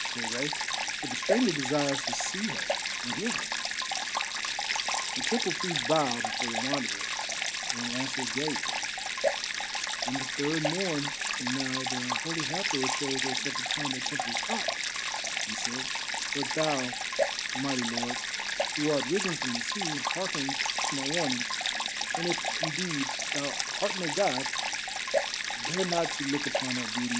said Rei, "for the Stranger desires to see her and hear her." The temple priest bowed before the Wanderer, and answered gravely: "On the third morn from now the Holy Hathor shows herself upon the temple's top," he said; "but thou, mighty lord, who art risen from the sea, hearken to my warning, and if, indeed, thou art no god, dare not to look upon her beauty.